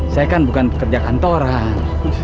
saya kan bukan pekerja kantoran